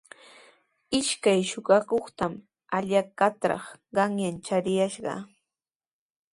Ishkay suqakuqtami hallaqatraw qanyan chariyashqa.